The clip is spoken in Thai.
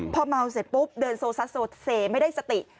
พอเมาเสร็จปุ๊บเดินโซซัสโซเซไม่ได้สติ